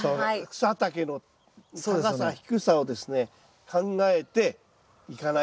草丈の高さ低さをですね考えていかないと。